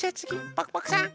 パクパクさん。